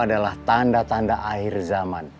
adalah tanda tanda akhir zaman